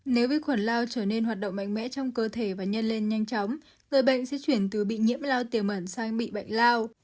nếu vi khuẩn lao trở nên hoạt động mạnh mẽ trong cơ thể và nhân lên nhanh chóng người bệnh sẽ chuyển từ bị nhiễm lao tiềm ẩn sang bị bệnh lao